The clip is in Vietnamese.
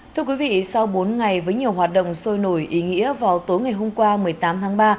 thưa quý vị sau bốn ngày với nhiều hoạt động sôi nổi ý nghĩa vào tối ngày hôm qua một mươi tám tháng ba